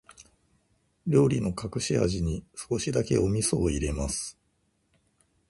料理の隠し味に、少しだけお味噌を入れます。